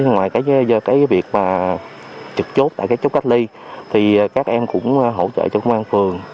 ngoài cái việc trực chốt tại chốt cách ly thì các em cũng hỗ trợ cho công an phường